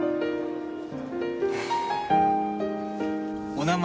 お名前